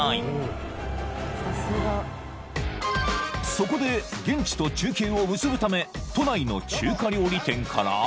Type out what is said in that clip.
［そこで現地と中継を結ぶため都内の中華料理店から］